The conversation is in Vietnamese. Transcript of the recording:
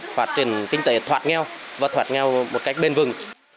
phát triển kinh tế thoát nghèo và thoát nghèo một cách bên vừng